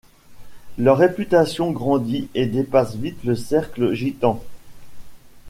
Leur réputation grandit et dépasse vite le cercle gitan.